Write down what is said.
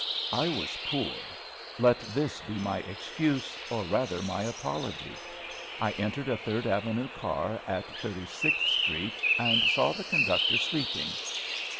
I was poor. Let this be my excuse, or rather my apology. I entered a Third Avenue car at Thirty sixth Street, and saw the conductor sleeping.